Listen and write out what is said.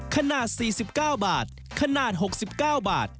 ขนาด๔๙บาทขนาด๖๙บาท